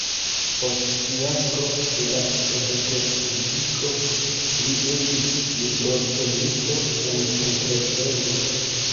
Post fiasko de la Sovetrespubliko li estis librotenisto en entrepreno.